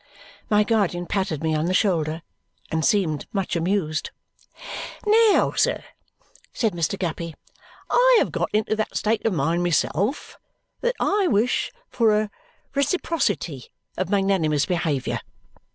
My guardian patted me on the shoulder and seemed much amused. "Now, sir," said Mr. Guppy, "I have got into that state of mind myself that I wish for a reciprocity of magnanimous behaviour.